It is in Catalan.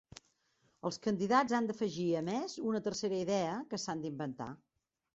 Els candidats han d'afegir a més una tercera idea, que s'han d'inventar.